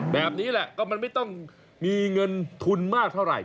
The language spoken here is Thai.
แบบนี้แหละก็มันไม่ต้องมีเงินทุนมากเท่าไหร่